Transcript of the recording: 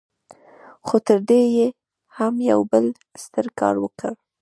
خو تر دې يې هم يو بل ستر کار وکړ.